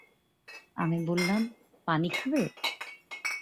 আমি বললাম, পানি খাবে?